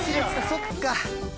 そっか。